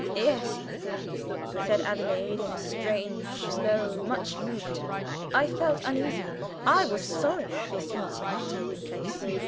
"Yes " said Adelaide, in a strange, low, much moved tone. I felt uneasy, I was sorry this meeting had taken place.